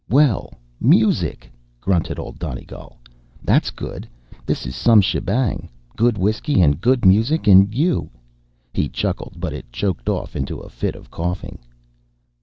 "Well! Music!" grunted Old Donegal. "That's good. This is some shebang. Good whiskey and good music and you." He chuckled, but it choked off into a fit of coughing.